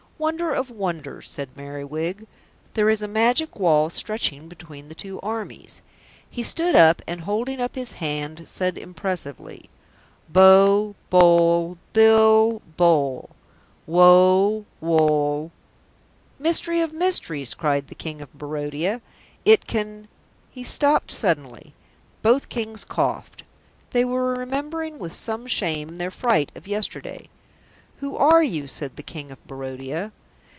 "Wonder of wonders," said Merriwig. "There is a magic wall stretching between the two armies." "He stood up and holding up his hand said impressively: "Bo, boll, bill, bole. _Wo, woll _" "Mystery of mysteries!" cried the King of Barodia. "It can " He stopped suddenly. Both Kings coughed. They were remembering with some shame their fright of yesterday. "Who are you?" said the King of Barodia.